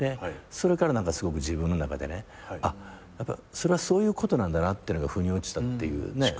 それから自分の中でそれはそういうことなんだなっていうのがふに落ちた。